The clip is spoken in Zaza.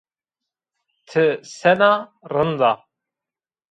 Ti sen a, rind a?